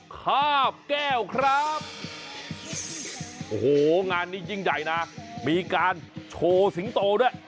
คาบแก้วครับโอ้โหงานนี้ยิ่งใหญ่นะมีการโชว์สิงโตด้วย